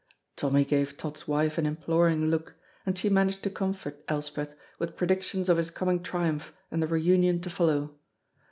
Tommy gave Tod's wife an imploring look, and she managed to comfort Elspeth with predictions of his coming triumph and the reunion to follow.